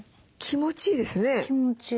気持ちいいです。